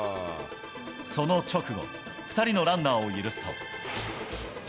その直後、２人のランナーを許すと。